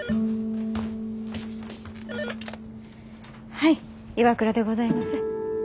☎はい岩倉でございます。